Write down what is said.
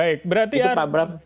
itu pak bram